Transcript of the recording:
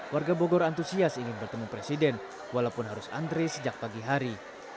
warga bogor antusias ingin bertemu presiden walaupun harus antre sejak pagi hari